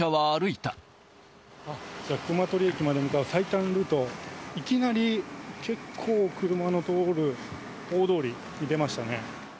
あっ、熊取駅まで向かう最短ルート、いきなり結構車の通る大通りに出ましたね。